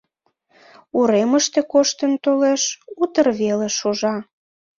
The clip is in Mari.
— Уремыште коштын толеш, утыр веле шужа.